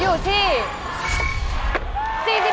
อยู่ที่